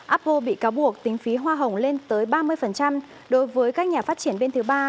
apple bị cáo buộc tính phí hoa hồng lên tới ba mươi đối với các nhà phát triển bên thứ ba